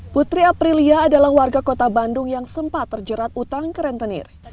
putri aprilia adalah warga kota bandung yang sempat terjerat utang ke rentenir